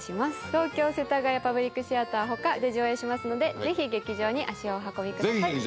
東京世田谷パブリックシアター他で上演しますのでぜひ劇場に足をお運びください。